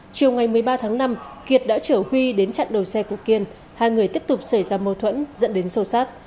chiều ngày một mươi ba tháng năm kiệt đã chở huy đến chặn đầu xe của kiên hai người tiếp tục xảy ra mâu thuẫn dẫn đến sô sát